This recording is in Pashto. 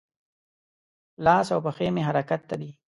لاس او پښې مې حرکت ته دي.